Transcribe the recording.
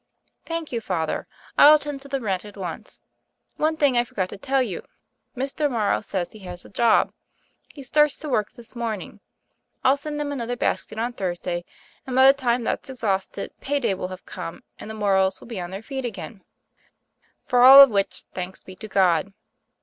"Thank you. Father; I'll attend to the rent at once. One thing I forgot to tell you. Mr. Morrow says he has a job. He starts to work this morning. I'll send them another basket on Thursday, and by the time that's exhausted pay day will have come and the Morrows will be on their feet again." 22 THE FAIRY OF THE SNOWS "For all of which thanks be to God